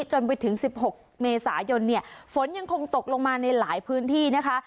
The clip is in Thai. จนไปถึง๑๖เมษายนเนี่ยฝนยังคงตกลงมาในหลายพื้นที่นะคะ